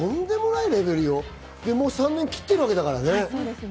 ３年切ってるわけだからね。